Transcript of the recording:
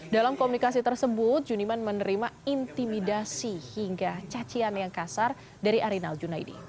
dalam komunikasi tersebut juniman menerima intimidasi hingga cacian yang kasar dari arinal junaidi